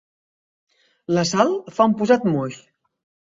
La Sal fa un posat moix.